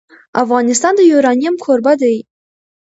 افغانستان د یورانیم کوربه دی.